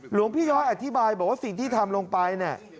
หลวงพี่ย้อยอธิบายว่าสิ่งที่ทำลงไป